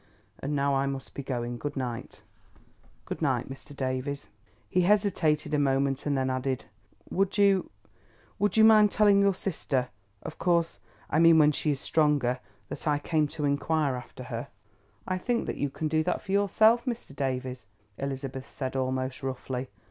And now I must be going. Good night." "Good night, Mr. Davies." He hesitated a moment and then added: "Would you—would you mind telling your sister—of course I mean when she is stronger—that I came to inquire after her?" "I think that you can do that for yourself, Mr. Davies," Elizabeth said almost roughly.